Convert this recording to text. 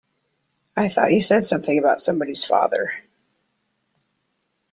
I thought you said something about somebody's father.